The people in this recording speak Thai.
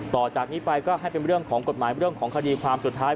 ต่อจากนี้ไปก็ให้เป็นเรื่องของกฎหมายเรื่องของคดีความสุดท้าย